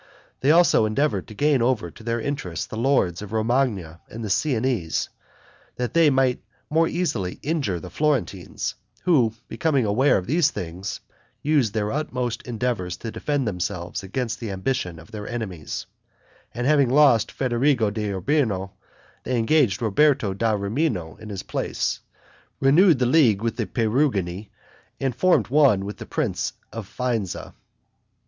They also endeavored to gain over to their interest the lords of Romagna and the Siennese, that they might more easily injure the Florentines, who, becoming aware of these things, used their utmost endeavors to defend themselves against the ambition of their enemies; and having lost Federigo d'Urbino, they engaged Roberto da Rimino in his place, renewed the league with the Perugini and formed one with the prince of Faenza.